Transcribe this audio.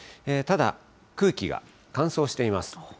ただ、空気が乾燥しています。